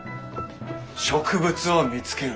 植物を見つける。